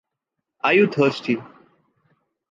Are you thirsty?